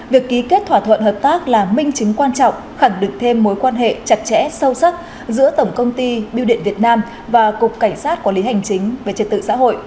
việc ký kết thỏa thuận hợp tác là minh chứng quan trọng khẳng định thêm mối quan hệ chặt chẽ sâu sắc giữa tổng công ty biêu điện việt nam và cục cảnh sát quản lý hành chính về trật tự xã hội